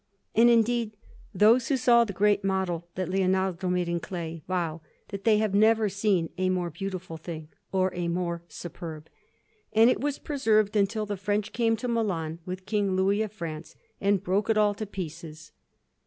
And, indeed, those who saw the great model that Leonardo made in clay vow that they have never seen a more beautiful thing, or a more superb; and it was preserved until the French came to Milan with King Louis of France, and broke it all to pieces.